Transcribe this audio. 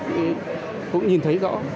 cũng nhìn thấy rõ